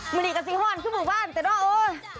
มึงได้กันสิห้อนครั้งหมู่บ้านแต่ก็โอ้ย